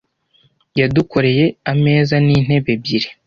Yadukoreye ameza n'intebe ebyiri.